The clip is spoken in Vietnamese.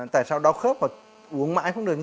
tại sao đau khớp hoặc uống mãi không được